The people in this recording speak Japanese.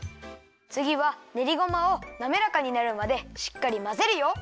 つぎはねりごまをなめらかになるまでしっかりまぜるよ。